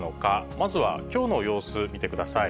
まずは、きょうの様子、見てください。